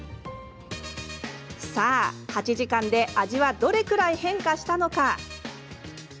８時間で味はどれくらい変化したのか。